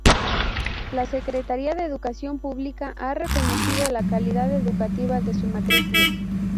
La Secretaria de Educación Publica ha reconocido la calidad educativa de su matricula.